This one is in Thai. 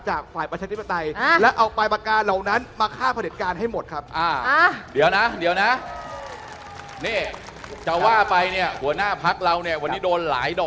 จริงจริงเกาะประชาชนทั้งประเทศใจจากกษัตริย์ประชัย